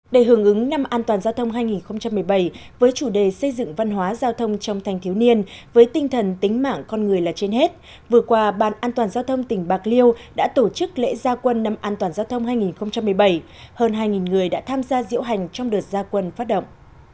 để hưởng ứng năm an toàn giao thông hai nghìn một mươi bảy với chủ đề xây dựng văn hóa giao thông trong thanh thiếu niên với tinh thần tính mạng con người là trên hết vừa qua ban an toàn giao thông tỉnh bạc liêu đã tổ chức lễ gia quân năm an toàn giao thông hai nghìn một mươi bảy hơn hai người đã tham gia diễu hành trong đợt gia quân phát động